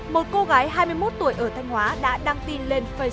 một cô gái hai mươi một tuổi ở thanh hóa đã đăng tin lên facebook